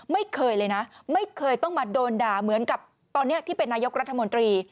ไม่เคยเลยนะไม่เคยต้องมาโดนด่าเหมือนกับตอนนี้ที่เป็นนายกรัฐมนตรี